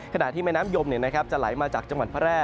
ขณะที่แม่น้ำยมจะไหลมาจากจังหวัดพระแร่